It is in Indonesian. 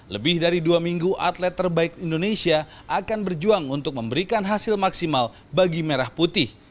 lebih dari dua minggu atlet terbaik indonesia akan berjuang untuk memberikan hasil maksimal bagi merah putih